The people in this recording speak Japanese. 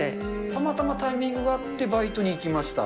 たまたまタイミングが合って、バイトに行きました。